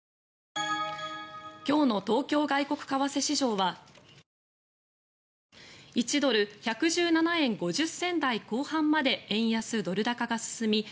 今日の東京外国為替市場は１ドル＝１１７円５０銭台後半まで円安ドル高が進み